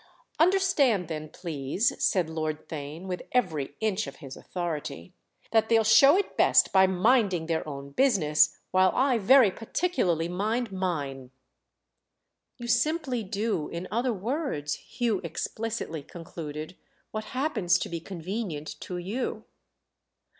"Understand then, please," said Lord Theign with every inch of his authority, "that they'll show it best by minding their own business while I very particularly mind mine." "You simply do, in other words," Hugh explicitly concluded, "what happens to be convenient to you."